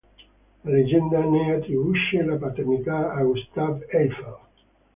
La leggenda ne attribuisce la paternità a Gustave Eiffel.